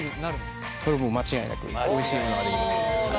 それはもう間違いなくおいしいものが出来ます。